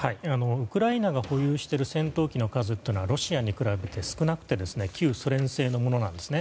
ウクライナが保有している戦闘機の数はロシアに比べて少なくて旧ソ連製のものなんですね。